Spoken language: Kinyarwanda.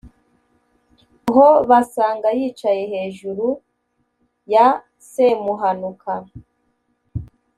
ho, basanga yicaye heju ru ya semuhanuka